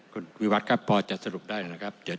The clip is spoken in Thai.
คุณวิวัตรครับพอจะสรุปได้นะครับ